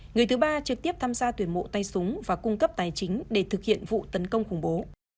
người thứ ba trực tiếp tham gia tuyển mộ tay súng và cung cấp tài chính để thực hiện vụ tấn công khủng bố